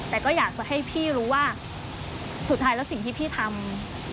แต่ก็อยากจะให้พี่รู้ว่าสุดท้ายแล้วสิ่งที่พี่ทำ